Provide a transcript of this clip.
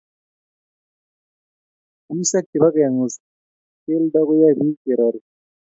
Wiseek che bo kengus kelto koyoe biich kerori.